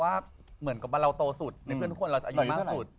แล้วก็แล้วตาม